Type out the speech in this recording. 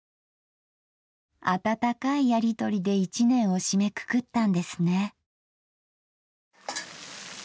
温かいやりとりで一年を締めくくったんですね。